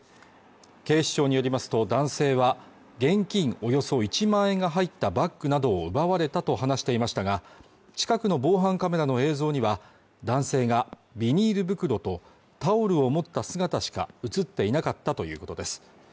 警視庁によりますと男性は現金およそ１万円が入ったバッグなどを奪われたと話していましたが近くの防犯カメラの映像には男性がビニール袋とタオルを持った姿しか映っていなかったということです